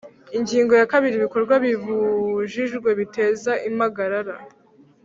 Ingingo ya kabiri Ibikorwa bibujijwe biteza impagarara